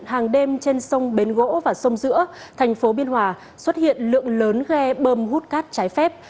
hàng đêm trên sông bến gỗ và sông giữa thành phố biên hòa xuất hiện lượng lớn ghe bơm hút cát trái phép